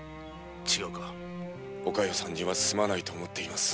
お加代さんにはすまないと思っています。